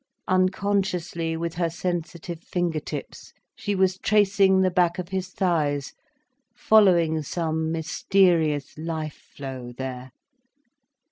Unconsciously, with her sensitive fingertips, she was tracing the back of his thighs, following some mysterious life flow there.